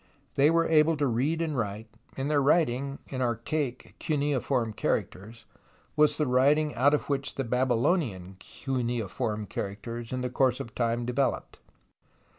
They were able to read and write, and their writing, in archaic cuneiform characters, was the writing out of which the Babylonian cuneiform characters in the course of time developed.